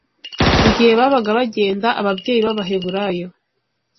Mu gihe babaga bagenda, ababyeyi b’Abaheburayo